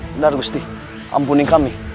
benar gusti ampuni kami